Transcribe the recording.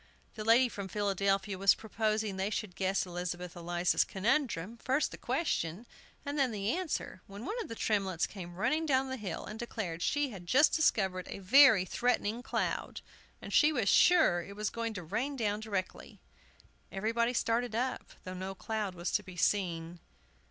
The lady from Philadelphia was proposing they should guess Elizabeth Eliza's conundrum, first the question, and then the answer, when one of the Tremletts came running down the hill, and declared she had just discovered a very threatening cloud, and she was sure it was going to rain down directly. Everybody started up, though no cloud was to be seen.